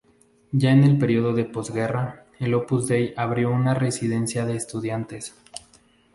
Ya en el periodo de posguerra, el Opus Dei abrió una residencia de estudiantes.